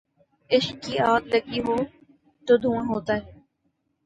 عشق کی آگ لگی ہو تو دھواں ہوتا ہے